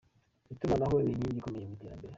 Itumanaho ni inkingi ikomeye mu iterambere.